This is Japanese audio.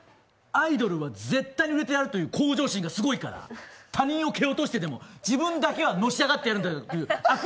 アイドルは絶対に売れてやるという向上心がすごいから他人を蹴落としてでも自分だけはのし上がってやるんだという飽く